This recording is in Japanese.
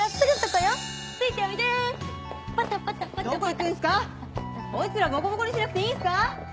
こいつらボコボコにしなくていいんすか？